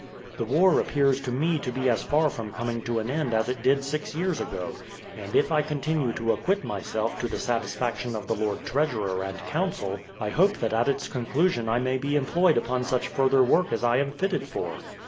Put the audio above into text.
The war appears to me to be as far from coming to an end as it did six years ago; and if I continue to acquit myself to the satisfaction of the lord treasurer and council, I hope that at its conclusion I may be employed upon such further work as I am fitted for."